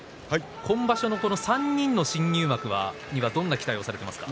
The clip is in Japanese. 今場所のこの３人の新入幕にはどんな期待をしていますか？